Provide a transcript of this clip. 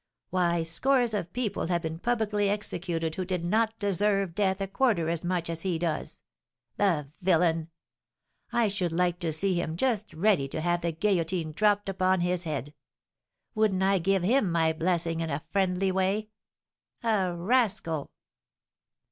Why, scores of people have been publicly executed who did not deserve death a quarter as much as he does! The villain! I should like to see him just ready to have the guillotine dropped upon his head. Wouldn't I give him my blessing in a friendly way? A rascal!"